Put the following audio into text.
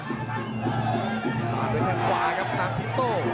ต่างเป็นทางขวาครับต่างที่โต้